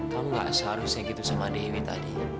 kalau nggak seharusnya gitu sama dewi tadi